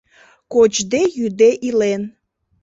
Кочде-йӱде илен.